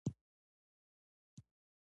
ډېر بې غېرته وختې.